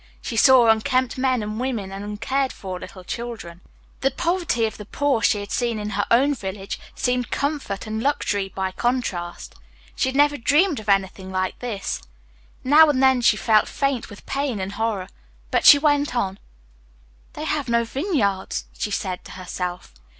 She saw unkempt men and women and uncared for little children. The poverty of the poor she had seen in her own village seemed comfort and luxury by contrast. She had never dreamed of anything like this. Now and then she felt faint with pain and horror. But she went on. "They have no vineyards," she said to herself.